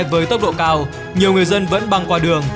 với tốc độ cao nhiều người dân vẫn băng qua đường